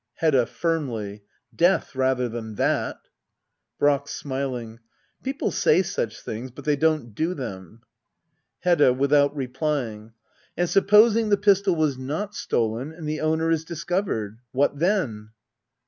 Hedda. [Firmlif,] Death rather than that. Brack. [Smiling,] People say such things — but they don't do them. Hedda. [Without replying,] And supposing the pistol was not stolen, and the owner is discovered ? What then?